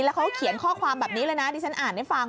แล้วเขาก็เขียนข้อความแบบนี้เลยนะดิฉันอ่านให้ฟัง